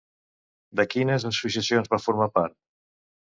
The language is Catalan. De quines associacions va formar part?